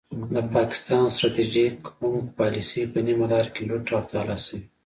د پاکستان ستراتیژیک عمق پالیسي په نیمه لار کې لوټ او تالا شوې.